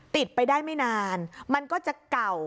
ติดไปได้ไม่นานมันก็จะเก่า